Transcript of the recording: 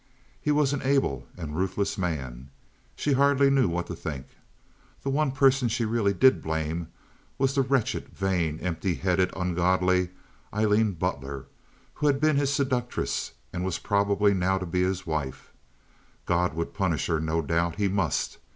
He was an able and ruthless man. She hardly knew what to think. The one person she really did blame was the wretched, vain, empty headed, ungodly Aileen Butler, who had been his seductress and was probably now to be his wife. God would punish her, no doubt. He must.